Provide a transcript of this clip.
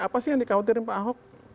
apa sih yang dikhawatirin pak ahok